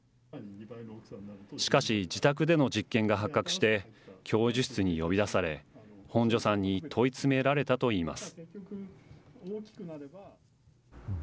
しかし、自宅での実験が発覚して、教授室に呼び出され、本庶さんに問い詰められたといいます。